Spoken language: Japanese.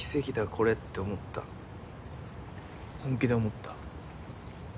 これって思った本気で思った。